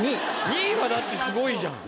２位はだってすごいじゃん。